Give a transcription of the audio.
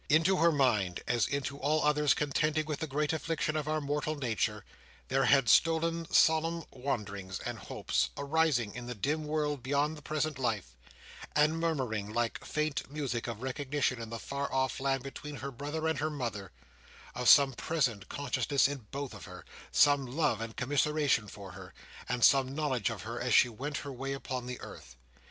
Into her mind, as into all others contending with the great affliction of our mortal nature, there had stolen solemn wonderings and hopes, arising in the dim world beyond the present life, and murmuring, like faint music, of recognition in the far off land between her brother and her mother: of some present consciousness in both of her: some love and commiseration for her: and some knowledge of her as she went her way upon the earth.